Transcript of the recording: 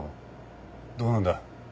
どうなんだ？